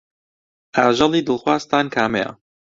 ئاژەڵی دڵخوازتان کامەیە؟